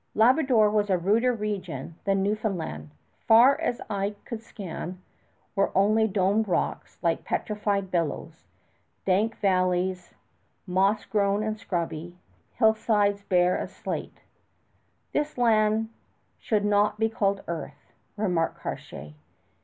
Labrador was a ruder region than Newfoundland. Far as eye could scan were only domed rocks like petrified billows, dank valleys moss grown and scrubby, hillsides bare as slate; "This land should not be called earth," remarked Cartier.